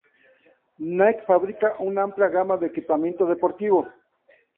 Nike fabrica una amplia gama de equipamiento deportivo.